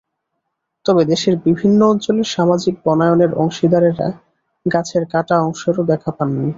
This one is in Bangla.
তবে দেশের বিভিন্ন অঞ্চলে সামাজিক বনায়নের অংশীদারেরা গাছের কাটা অংশেরও দেখা পাননি।